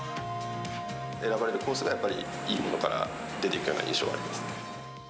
選ばれるコースがやっぱり、いいものから出ていくような印象はあります。